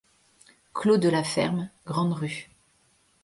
Clos de la Ferme, Grande-Rue.